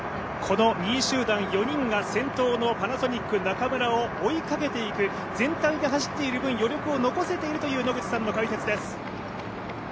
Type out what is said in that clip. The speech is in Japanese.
２位集団４人が先頭のパナソニック、中村を追いかけていく、全体で走っている分、余力を残せているという野口さんの解説です。